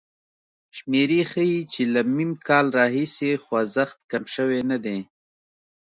شمېرې ښيي چې له م کال راهیسې خوځښت کم شوی نه دی.